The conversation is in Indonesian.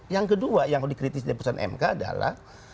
yang kedua yang dikritik di putusan mk adalah